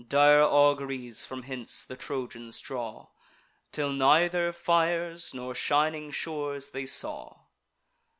Dire auguries from hence the Trojans draw; Till neither fires nor shining shores they saw.